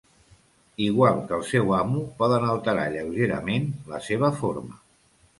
Igual que el seu amo, poden alterar lleugerament la seva forma.